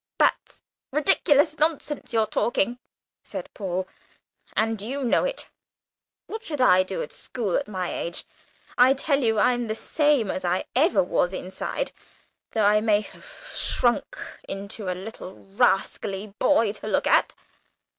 "That's ridiculous nonsense you're talking," said Paul, "and you know it. What should I do at school at my age? I tell you I'm the same as ever inside, though I may have shrunk into a little rascally boy to look at.